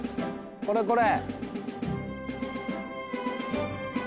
これこれ！